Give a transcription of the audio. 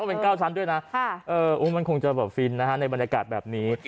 เป็น๙ชั้นด้วยนะมันคงจะแบบฟินนะฮะในบรรยากาศแบบนี้